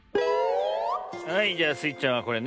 はいじゃあスイちゃんはこれね。